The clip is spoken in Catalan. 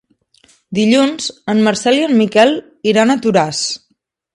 Dilluns en Marcel i en Miquel iran a Toràs.